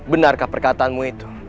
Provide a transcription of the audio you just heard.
benarkah perkataanmu itu